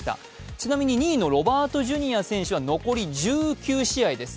ちなみに２位のロバート・ジュニア選手は残り１９試合です。